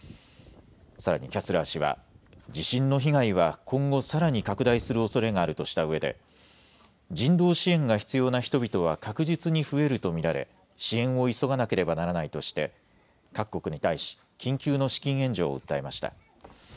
さらにキャスラー氏は地震の被害は今後、さらに拡大するおそれがあるとしたうえで人道支援が必要な人々は確実に増えると見られ支援を急がなければならないとして各国に対し緊急の資金援助を訴えました。